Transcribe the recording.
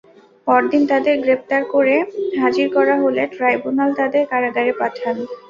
পরদিন তাঁদের গ্রেপ্তার করে হাজির করা হলে ট্রাইব্যুনাল তাঁদের কারাগারে পাঠান।